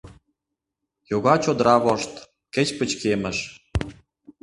Йога чодыра вошт, кеч пычкемыш